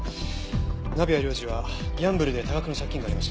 鍋谷亮次はギャンブルで多額の借金がありました。